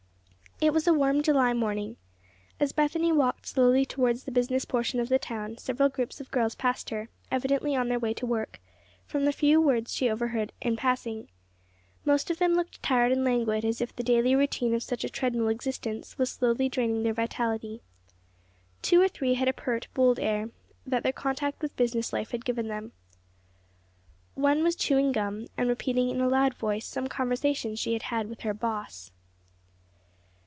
It was a warm July morning. As Bethany walked slowly toward the business portion of the town, several groups of girls passed her, evidently on their way to work, from the few words she overheard in passing. Most of them looked tired and languid, as if the daily routine of such a treadmill existence was slowly draining their vitality. Two or three had a pert, bold air, that their contact with business life had given them. One was chewing gum and repeating in a loud voice some conversation she had had with her "boss."